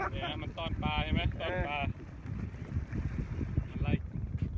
กรรมแฟนการและโรงการให้ลบ